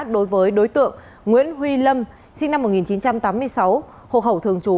đối với đối tượng nguyễn huy lâm sinh năm một nghìn chín trăm tám mươi sáu hộ khẩu thường trú